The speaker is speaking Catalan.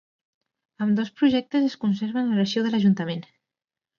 Ambdós projectes es conserven a l'arxiu de l'Ajuntament.